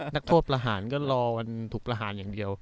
นักโทษประหารก็รอวันถูกประหารอย่างเดียว